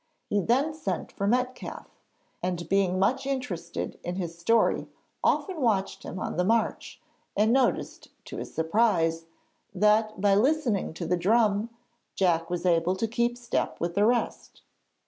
He then sent for Metcalfe, and being much interested in his story often watched him on the march, and noticed, to his surprise, that, by listening to the drum, Jack was able to keep step with the rest.